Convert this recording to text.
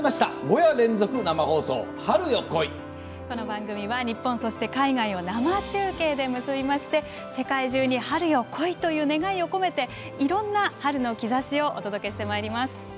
この番組は、日本、そして海外を生中継で結びまして「世界中に春よ、来い！」という願いを込めていろんな「春の兆し」をお届けしてまいります。